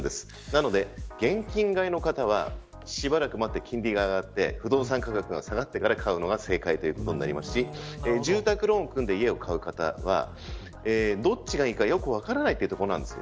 なので、現金買いの方はしばらく待って、金利が上がって不動産価格が下がってから買うのが正解となりますし住宅ローンを組んで家を買う方はどっちがいいかよく分らないということなんです。